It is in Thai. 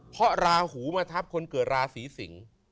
เพราะราหูมาทับคนเกิดราศีสิงศ์